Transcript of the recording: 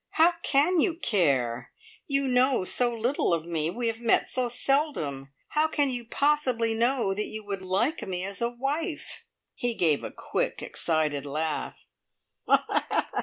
How can you care? You know so little of me; we have met so seldom. How can you possibly know that you would like me as a wife?" He gave a quick, excited laugh.